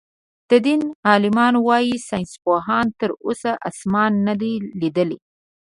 د دين عالمان وايي ساينسپوهانو تر اوسه آسمان نۀ دئ ليدلی.